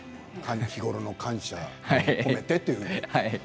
日頃の感謝を込めてと。